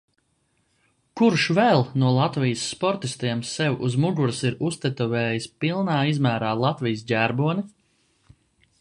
Kurš vēl no Latvijas sportistiem sev uz muguras ir uztetovējis pilnā izmērā Latvijas ģerboni?